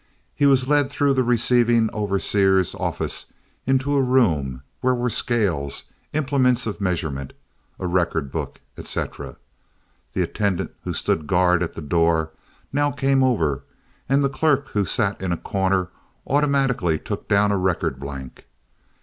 He was led through the receiving overseer's office into a room, where were scales, implements of measurement, a record book, etc. The attendant who stood guard at the door now came over, and the clerk who sat in a corner automatically took down a record blank.